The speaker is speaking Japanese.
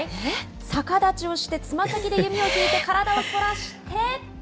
逆立ちをしてつま先で弓を引いて、体を反らして。